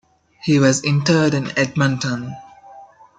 He was interred in Edmonton.